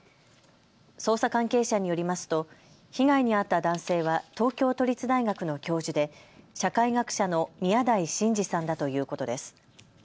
捜査関係者によりますと被害に遭った男性は東京都立大学の教授で社会学者の宮台真司さんだということです。